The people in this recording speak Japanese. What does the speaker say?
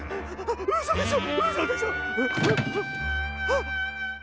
あっ！